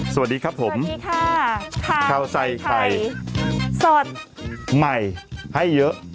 สวัสดีครับผมสวัสดีค่ะข้าวใส่ไข่สดใหม่ให้เยอะ